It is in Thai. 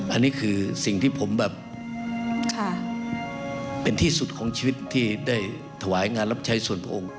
อันนี้คือสิ่งที่ผมแบบเป็นที่สุดของชีวิตที่ได้ถวายงานรับใช้ส่วนพระองค์